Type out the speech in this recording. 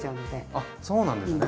あっそうなんですね。